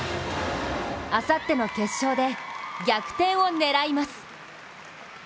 あさっての決勝で逆転を狙います。